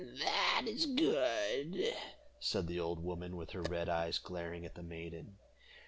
"That is good," said the old witch, her red eyes glaring at the maiden.